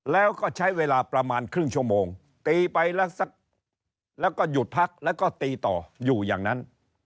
แล้วก็ใช้เวลาประมาณครึ่งชั่วโมงตีไปแล้วสักแล้วก็หยุดพักแล้วก็ตีต่ออยู่อย่างนั้น